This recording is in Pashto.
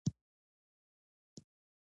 په یوه هیواد کښي د تابیعت شرطونه دوه دي.